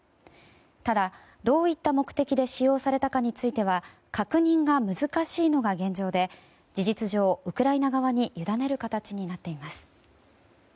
ただ、どういった目的で使用されたかについては確認が難しいのが現状で事実上、ウクライナ側に委ねる形になっています。